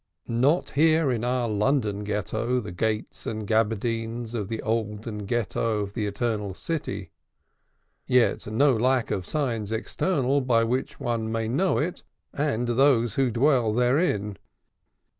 Not here in our London Ghetto the gates and gaberdines of the olden Ghetto of the Eternal City; yet no lack of signs external by which one may know it, and those who dwell therein.